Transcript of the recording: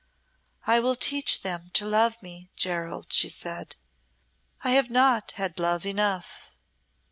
"I will teach them to love me, Gerald," she said. "I have not had love enough."